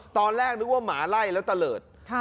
ตอนแรกนึกว่าหมาไล่แล้วตะเลิศ